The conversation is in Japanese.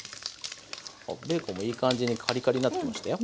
ベーコンもいい感じにカリカリになってきましたよ。ね！